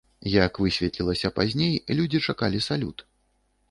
Як высветлілася пазней, людзі чакалі салют.